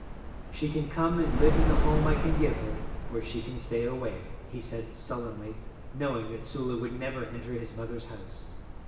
'She can come and live in the home I can give her or she can stay away,' he said sullenly, knowing that Sula would never enter his mother's house.